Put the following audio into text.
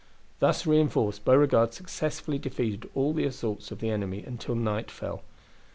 Thus reinforced Beauregard successfully defeated all the assaults of the enemy until night fell.